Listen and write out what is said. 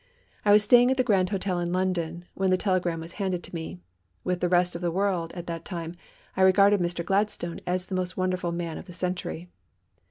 I was staying at the Grand Hotel in London when the telegram was handed to me. With the rest of the world, at that time, I regarded Mr. Gladstone as the most wonderful man of the century.